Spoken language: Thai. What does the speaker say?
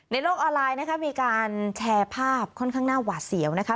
โลกออนไลน์นะคะมีการแชร์ภาพค่อนข้างหน้าหวาดเสียวนะคะ